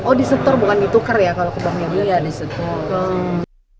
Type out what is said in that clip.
oh disetor bukan ditukar ya kalau ke bank mobil ya disetor